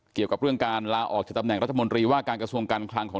เกี่ยวกับเรื่องการลาออกจากตำแหน่งรัฐมนตรีว่าการกระทรวงการคลังของ